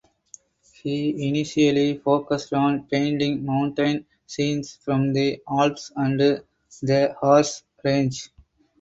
He initially focused on painting mountain scenes from the Alps and the Harz range.